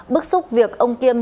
bức xúc việc ông kiêm